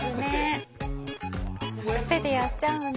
癖でやっちゃうんだ。